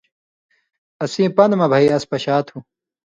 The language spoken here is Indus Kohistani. اسیں پن٘دہۡ مہ بھئ اس پشا تُھو